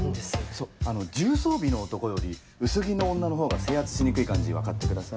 そう重装備の男より薄着の女のほうが制圧しにくい感じ分かってください。